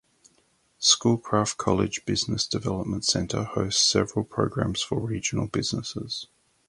Schoolcraft College's Business Development Center hosts several programs for regional businesses.